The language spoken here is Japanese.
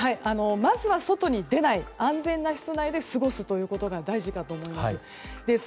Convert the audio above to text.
まずは外に出ない安全な室内で過ごすことが大事かと思います。